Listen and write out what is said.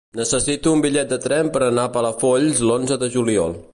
Necessito un bitllet de tren per anar a Palafolls l'onze de juliol.